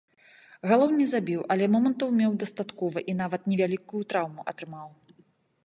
Галоў не забіў, але момантаў меў дастаткова і нават невялікую траўму атрымаў.